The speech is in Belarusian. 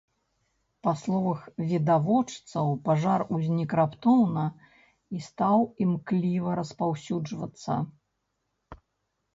Па словах відавочцаў, пажар узнік раптоўна і стаў імкліва распаўсюджвацца.